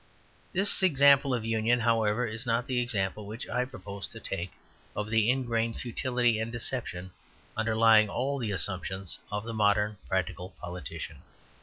This example of union, however, is not the example which I propose to take of the ingrained futility and deception underlying all the assumptions of the modern practical politician.